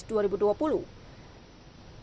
kepala disub dki jakarta